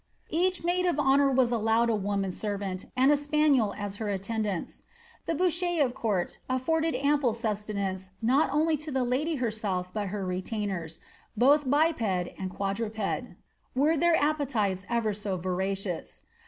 Each maid of honour was allowed a woman servant and a spaniel as her attendants ; the bauche of court afiforded ample sustenance not only to tlie lady herself but her retainers, both biped and quadruped, were their appetites ever so voracious.